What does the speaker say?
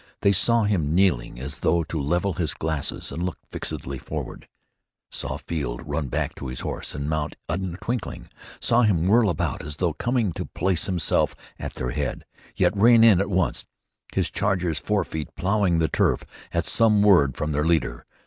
They saw him kneeling as though to level his glasses and look fixedly forward; saw Field run back to his horse and mount in a twinkling; saw him whirl about as though coming to place himself at their head, yet rein in at once his charger's fore feet ploughing the turf at some word from their leader.